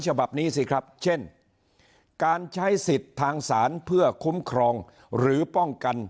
ฉบับนี้สิครับเช่นการใช้สิทธิ์ทางศาลเพื่อคุ้มครองหรือป้องกัน